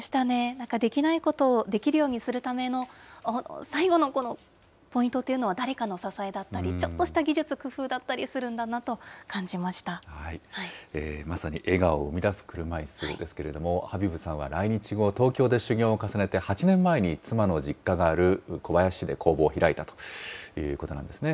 なんか、できないことをできるようにするための最後のポイントというのは、誰かの支えだったり、ちょっとした技術、工夫だったりするんだなまさに笑顔を生み出す車いすですけれども、ハビブさんは来日後、東京で修業を重ねて、８年前に、妻の実家がある小林市で工房を開いたということなんですね。